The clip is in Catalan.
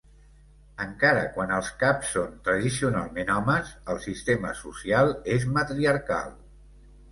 Encara quan els caps són tradicionalment homes, el sistema social és matriarcal.